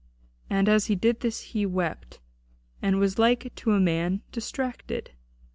And as he did this he wept, and was like to a man distracted.